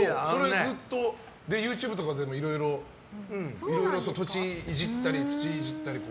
ＹｏｕＴｕｂｅとかでもいろいろ土地をいじったり土をいじったり。